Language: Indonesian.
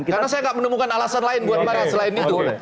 karena saya nggak menemukan alasan lain buat marah selain itu